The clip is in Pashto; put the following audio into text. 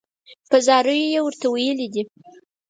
په زاریو یې ورته ویلي دي.